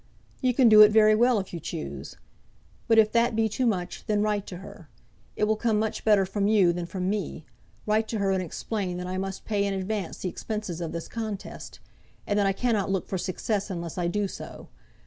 "You can do it very well, if you choose. But if that be too much, then write to her. It will come much better from you than from me; write to her, and explain that I must pay in advance the expenses of this contest, and that I cannot look for success unless I do so.